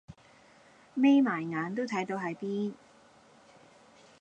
眯埋眼都睇到喺邊